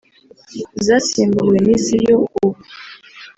zasimbuwe n’iziyo ubu